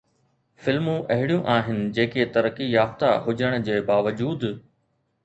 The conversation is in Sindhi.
فلمون اهڙيون آهن جيڪي ترقي يافته هجڻ جي باوجود